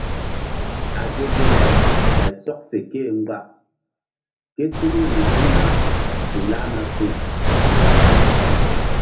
A ge ge le ɓay sɔk fe ké-e mgba ke tul riŋ mbuŋna su lahna su.